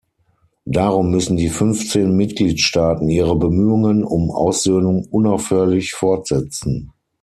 Darum müssen die fünfzehn Mitgliedstaaten ihre Bemühungen um Aussöhnung unaufhörlich fortsetzen.